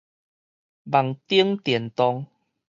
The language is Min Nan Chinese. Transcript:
網頂電動